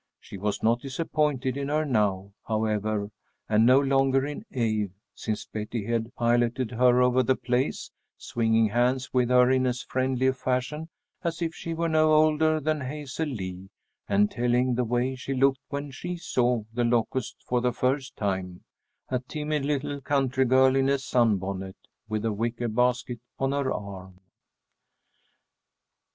She was not disappointed in her now, however, and no longer in awe, since Betty had piloted her over the place, swinging hands with her in as friendly a fashion as if she were no older than Hazel Lee, and telling the way she looked when she saw The Locusts for the first time a timid little country girl in a sunbonnet, with a wicker basket on her arm.